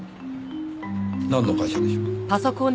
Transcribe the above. なんの会社でしょう？